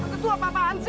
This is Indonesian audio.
itu apaan sih